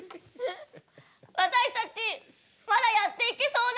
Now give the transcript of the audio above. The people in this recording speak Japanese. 私たちまだやっていけそうな気がする。